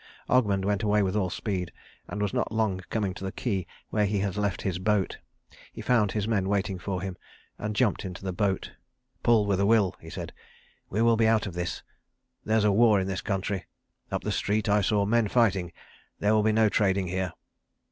Ogmund went away with all speed, and was not long coming to the quay where he had left his boat. He found his men waiting for him, and jumped into the boat. "Pull with a will," he said; "we will be out of this. There's war in this country. Up the street I saw men fighting. There will be no trading here."